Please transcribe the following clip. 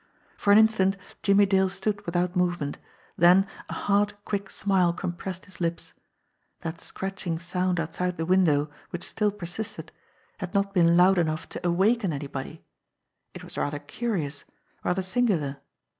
For an instant Jimmie Dale stood without movement, then a hard, quick smile compressed his lips. That scratching sound outside the window, which still persisted, had not been loud enough to awaken anybody. It was rather curious, rather singular!